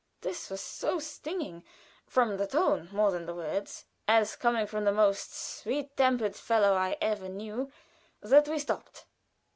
This was so stinging (from the tone more than the words) as coming from the most sweet tempered fellow I ever knew, that we stopped.